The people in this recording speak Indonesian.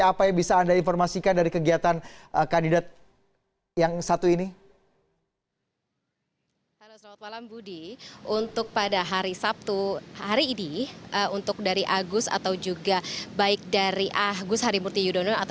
apa yang bisa anda informasikan dari kegiatan kandidat